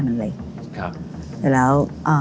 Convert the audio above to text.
แต่แล้ว